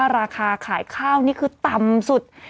ราคาขายข้าวต่ำสุด